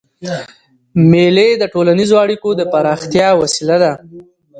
مېلې د ټولنیزو اړیکو د پراختیا وسیله ده.